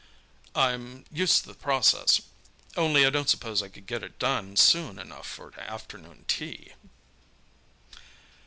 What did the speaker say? "I'm used to the process. Only I don't suppose I could get it done soon enough for afternoon tea."